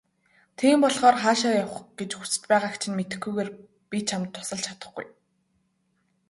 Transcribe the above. Тийм болохоор хаашаа явах гэж хүс байгааг чинь мэдэхгүйгээр би чамд тусалж чадахгүй.